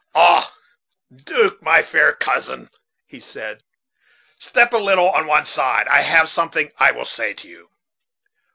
"Ah! 'Duke, my dear cousin," he said, "step a little on one side; I have something I would say to you."